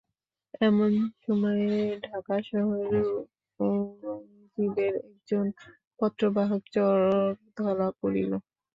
এমন সময়ে ঢাকা শহরে ঔরংজীবের একজন পত্রবাহক চর ধরা পড়িল।